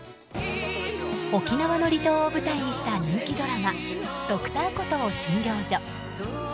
沖縄の離島を舞台にした人気ドラマ「Ｄｒ．コトー診療所」。